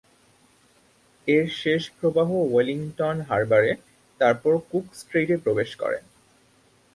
এর শেষ প্রবাহ ওয়েলিংটন হারবারে, তারপর কুক স্ট্রেইটে প্রবেশ করে।